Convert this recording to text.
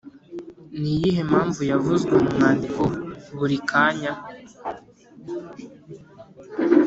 Ni iyihe mpamvu yavuzwe mu mwandiko buri kanya